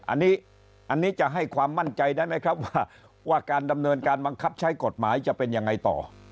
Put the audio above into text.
อันนี้จะให้ความมั่นใจได้ไหมครับว่าการดำเนินการบังคับใช้กฎหมายจะเป็นยังไงต่อ